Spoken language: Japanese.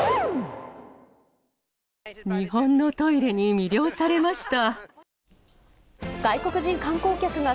日本のトイレに魅了されました。